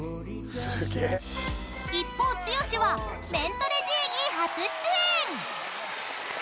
［一方剛は『メントレＧ』に初出演！］